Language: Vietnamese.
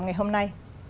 ngày hôm nay